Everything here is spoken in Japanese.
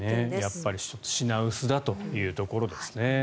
やっぱり品薄だというところですね。